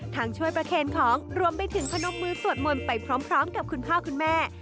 ช่วยประเคนของรวมไปถึงพนกมือสวดมนต์ไปพร้อมกับคุณพ่อคุณแม่